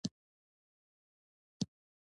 شاوخوا یو لک پنځوس زره قبرونه په کې دي.